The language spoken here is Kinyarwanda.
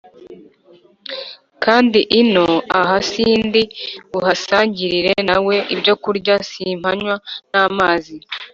kandi ino aha sindi buhasangirire nawe ibyokurya, simpanywa n’amazi,